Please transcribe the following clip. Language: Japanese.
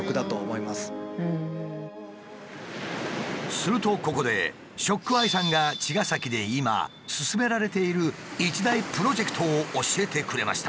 するとここでＳＨＯＣＫＥＹＥさんが茅ヶ崎で今進められている一大プロジェクトを教えてくれました。